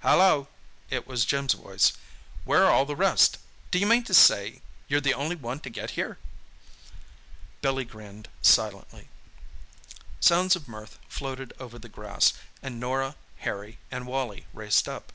"Hallo!" It was Jim's voice. "Where are all the rest? D'you mean to say you're the only one to get here?" Billy grinned silently. Sounds of mirth floated over the grass, and Norah, Harry and Wally raced up.